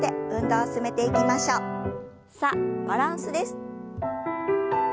さあバランスです。